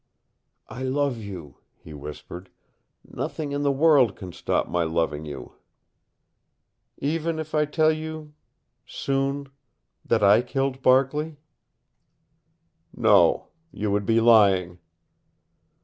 "I love you," he whispered. "Nothing in the world can stop my loving you." "Even if I tell you soon that I killed Barkley?" "No. You would be lying."